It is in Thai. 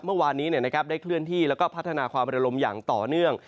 เมื่อวานนี้ได้เคลื่อนที่แล้วก็พัฒนาความระลมอย่างต่อเนื่อง